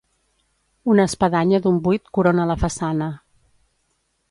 Una espadanya d'un buit corona la façana.